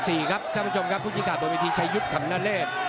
ยกที่๔ครับคุณผู้ชมครับผู้ชิงขาดโดยวิทยุทธิ์ชายุทธิ์ขำนาเลศ